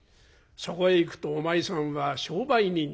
そこへいくとお前さんは商売人だ。